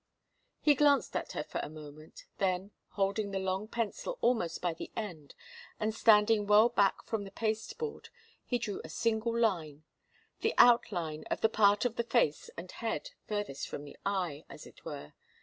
He glanced at her for a moment. Then, holding the long pencil almost by the end and standing well back from the pasteboard, he drew a single line the outline of the part of the face and head furthest from the eye, as it were.